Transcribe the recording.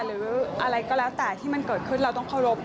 หรืออะไรก็แล้วแต่ที่มันเกิดขึ้นเราต้องเคารพ